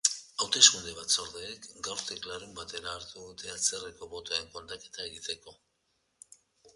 Hauteskunde batzordeek gaurtik larunbatera arte dute atzerriko botoen kontaketa egiteko.